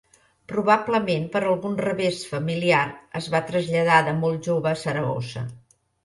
Probablement per algun revés familiar es va traslladar de molt jove a Saragossa.